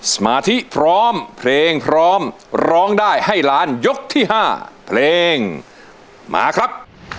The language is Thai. สมาธิพร้อมเพลงพร้อมร้องได้ให้ล้านยกที่๕เพลงมาครับ